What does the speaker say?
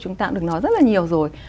chúng ta cũng được nói rất là nhiều rồi